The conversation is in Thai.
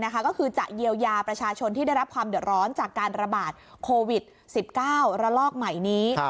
ก็คือจะเยียวยาประชาชนที่ได้รับความเดือดร้อนจากการระบาดโควิด๑๙ระลอกใหม่นี้